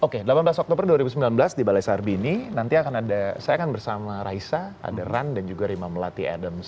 oke delapan belas oktober dua ribu sembilan belas di balai sarbini nanti akan ada saya akan bersama raisa ada run dan juga rima melati ardems